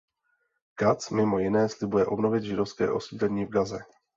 Kac mimo jiné slibuje obnovit židovské osídlení v Gaze.